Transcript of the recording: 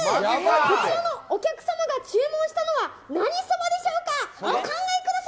こちらのお客様が注文したのは、何そばでしょうか。